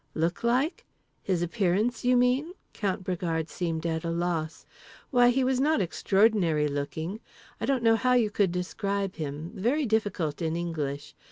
—"Look like? His appearance, you mean?" Count Bragard seemed at a loss. "Why he was not extraordinary looking. I don't know how you could describe him. Very difficult in English.